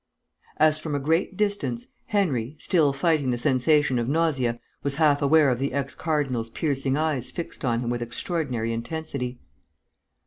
As from a great distance Henry, still fighting the sensation of nausea, was half aware of the ex cardinal's piercing eyes fixed on him with extraordinary intensity.